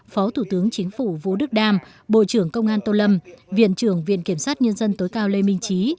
phó thủ tướng chính phủ vũ đức đam bộ trưởng công an tô lâm viện trưởng viện kiểm sát nhân dân tối cao lê minh trí